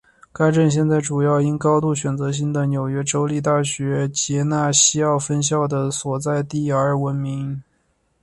该镇现在主要因高度选择性的纽约州立大学杰纳西奥分校的所在地而闻名。